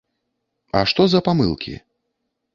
А што за памылкі?